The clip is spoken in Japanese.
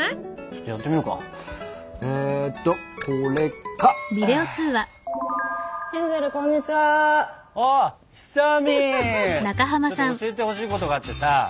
ちょっと教えてほしいことがあってさ。